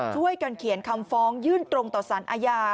ช่วยกันเขียนคำฟ้องยื่นตรงต่อสารอาญา